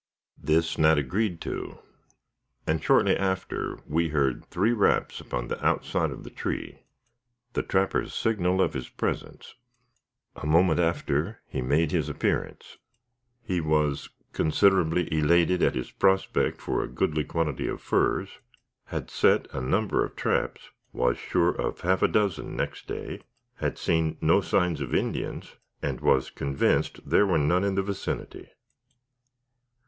This Nat agreed to, and shortly after we heard three raps upon the outside of the tree the trapper's signal of his presence. A moment after, he made his appearance. He was considerably elated at his prospect for a goodly quantity of furs; had set a number of traps; was sure of half a dozen next day; had seen no signs of Indians, and was convinced there were none in the vicinity.